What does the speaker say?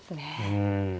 うん。